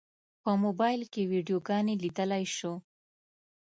په موبایل کې ویډیوګانې لیدلی شو.